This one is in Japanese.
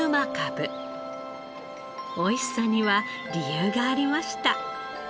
美味しさには理由がありました。